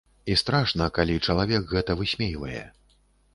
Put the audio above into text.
І страшна, калі чалавек гэта высмейвае.